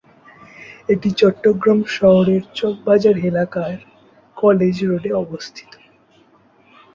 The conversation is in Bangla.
এটি চট্টগ্রাম শহরের চকবাজার এলাকার কলেজ রোডে অবস্থিত।